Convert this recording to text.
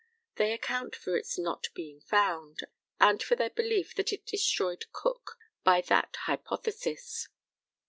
They account for its not being found, and for their belief that it destroyed Cook, by that hypothesis.